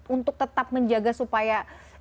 untuk tetap menjaga supaya